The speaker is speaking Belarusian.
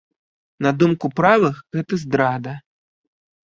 На думку правых, гэта здрада.